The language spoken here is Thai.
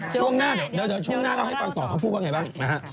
ช่วงหน้าเดี๋ยวให้ฟังต่อเขาพูดว่าไงบ้าง